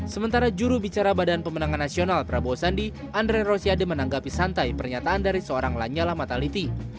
sementara jurubicara badan pemenangan nasional prabowo sandi andre rosiade menanggapi santai pernyataan dari seorang lanyala mataliti